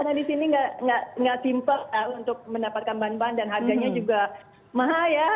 karena di sini nggak simple untuk mendapatkan ban ban dan harganya juga mahal ya